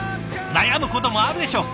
悩むこともあるでしょう。